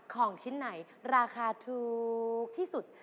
ของชิ้นไหนราคาถูกที่สุด